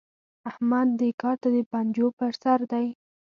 احمد دې کار ته د پنجو پر سر دی.